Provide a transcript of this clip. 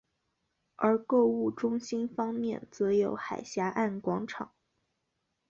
而购物中心方面则有海峡岸广场。